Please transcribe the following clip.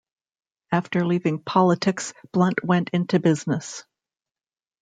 After leaving politics Blunt went into business.